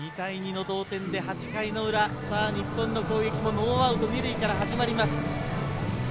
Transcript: ２対２の同点で８回の裏、２回、日本の攻撃もノーアウト２塁から始まります。